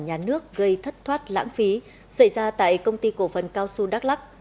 nhà nước gây thất thoát lãng phí xảy ra tại công ty cổ phần cao xu đắk lắc